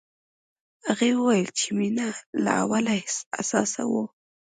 هغې وویل چې مينه له اوله حساسه وه